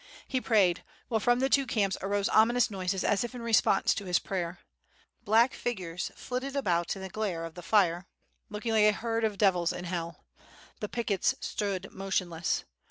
He prayed, while from the two camps arose ominous noises, as if in re sponse to his prayer. Black figures 'flitted about in the glare of the fire, looking like a herd of devils in hell. The pickets stood motionless.